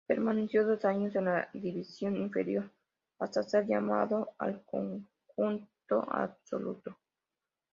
Permaneció dos años en la división inferior hasta ser llamado al conjunto absoluto.